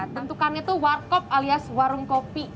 tentukan itu warkop alias warung kopi